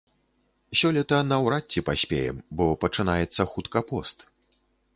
Сёлета наўрад ці паспеем, бо пачынаецца хутка пост.